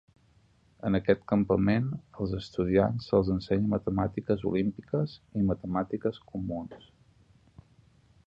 En aquest campament, als estudiants se'ls ensenya matemàtiques olímpiques i matemàtiques comuns.